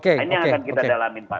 nah ini yang akan kita dalamin pak